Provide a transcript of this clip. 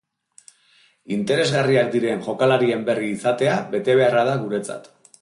Interesgarriak diren jokalarien berri izatea betebeharra da guretzat.